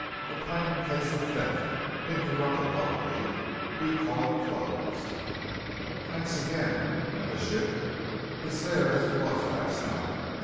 A plain case of theft. Interrupted luckily. We call it closed." "Thanks again. And the ship?" "It's there as it was last night.